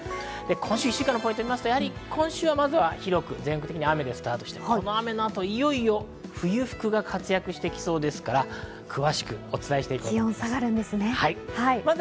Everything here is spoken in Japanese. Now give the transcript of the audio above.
今週一週間のポイントを見ますと、全国的に雨でスタートして、この後、いよいよ冬服が活躍してきそうですから、詳しくお伝えしていきます。